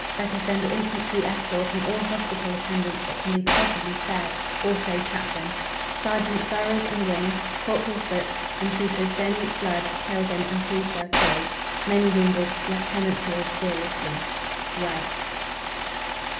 Better send infantry escort and all hospital attendants that can be possibly spared; also chaplain. Sergeants Burroughs and Wing, Corporal Foot and Troopers Denny, Flood, Kerrigan and Preusser killed. Many wounded Lieutenant Field seriously. WEBB.